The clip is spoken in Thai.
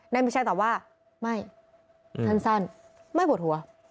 นายมิช่างตอบว่าไม่ท่านซั่นไม่ปวดหัว